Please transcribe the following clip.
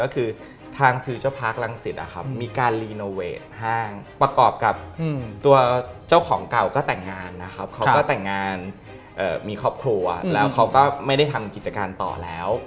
เขาก็แต่งงานมีครอบครัวแล้วเขาก็ไม่ได้ทำกิจการต่อแล้ว